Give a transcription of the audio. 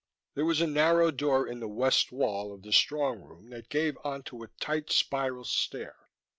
There was a narrow door in the west wall of the strong room that gave onto a tight spiral stair.